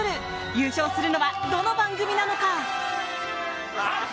優勝するのは、どの番組なのか。